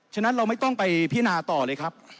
ฉะนั้นเราไม่ต้องไปพินาต่อเลยครับ